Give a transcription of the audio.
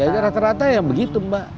ternyata ya begitu mbak